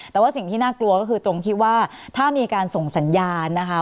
แต่ว่าสิ่งที่น่ากลัวก็คือตรงที่ว่าถ้ามีการส่งสัญญาณนะคะ